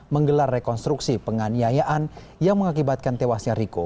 menggelar rekonstruksi penganiayaan yang mengakibatkan tewasnya riko